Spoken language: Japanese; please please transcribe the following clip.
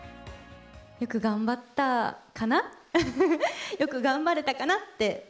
よく頑張ったかな、よく頑張れたかなって。